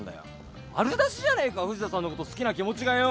丸出しじゃねえか藤田さんのこと好きな気持ちがよ。